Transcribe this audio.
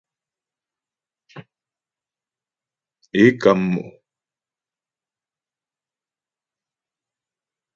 Ě kam mo.